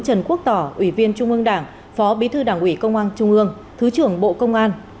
trần quốc tỏ ủy viên trung ương đảng phó bí thư đảng ủy công an trung ương thứ trưởng bộ công an